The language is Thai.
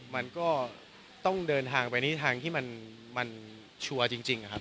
มันก็ต้องเดินทางไปในทางที่มันชัวร์จริงครับ